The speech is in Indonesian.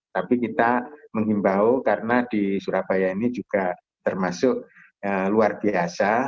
tapi kita menghimbau karena di surabaya ini juga termasuk luar biasa